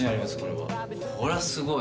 これはすごい。